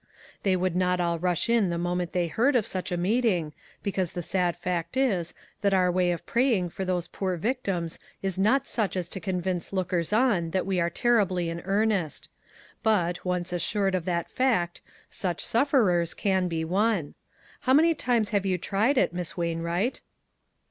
They would not all rush in the moment they heard of such a meeting, because the sad fact is, that our way of praying for these poor victims is not such as to convince lookers on that we are terribly in earnest ; but, once assured of that fact, such sufferers can be won. How many times have you tried it, Miss AVainwright